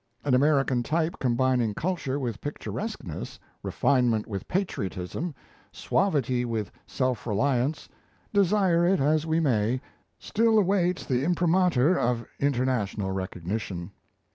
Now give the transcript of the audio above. An American type combining culture with picturesqueness, refinement with patriotism, suavity with self reliance, desire it as we may, still awaits the imprimatur of international recognition.